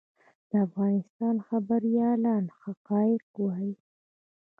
د افغانستان خبریالان حقایق وايي